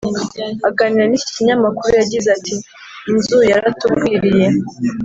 aganira n’iki kinyamakuru yagize ati “Inzu yaratugwiriye